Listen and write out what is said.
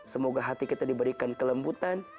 semoga hati kita diberikan kelembutan